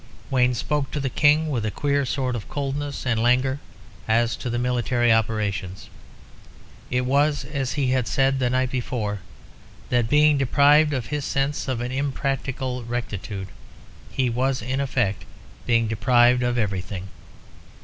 Wayne spoke to the King, with a queer sort of coldness and languor, as to the military operations. It was as he had said the night before that being deprived of his sense of an impracticable rectitude, he was, in effect, being deprived of everything.